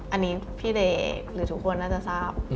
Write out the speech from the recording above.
อันนี้พี่เดย์หรือทุกคนน่าจะทราบ